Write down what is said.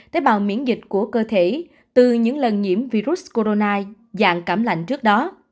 tế bào miễn dịch của cơ thể từ những lần nhiễm virus corona dạng cảm lạnh trước đó